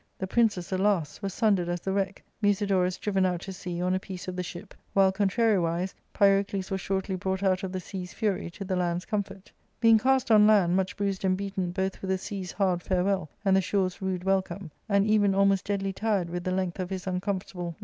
The princes, alas ! were sundered as the wreck, Musidorus driven out to sea on a piece of the ship, while, contrariwise, Pyrocles was shortly brought out of the sea's fury to the land's comfort. " Being cast on land, much bruised and beaten both with the sea's hard farewell and the shore's rude welcome, and even almost deadly tired with the length of his uncomfortablQ ARCADIA. ^Book II.